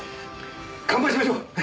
乾杯しましょう！ね？